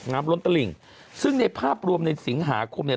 ล้นตลิ่งซึ่งในภาพรวมในสิงหาคมเนี่ย